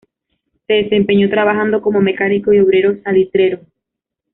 Se desempeñó trabajando como mecánico y obrero salitrero.